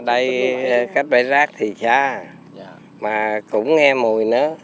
đây cách bãi rác thì xa mà cũng nghe mùi nữa